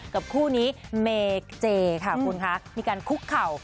คู่นี้เมเจค่ะคุณคะมีการคุกเข่า